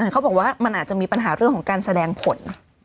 เขาบอกว่ามันอาจจะมีปัญหาเรื่องของการแสดงผล